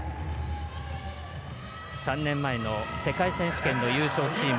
３年前の世界選手権の優勝チーム